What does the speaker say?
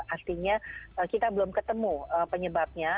artinya kita belum ketemu penyebabnya